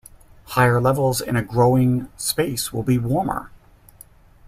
Higher levels in a growing space will be warmer.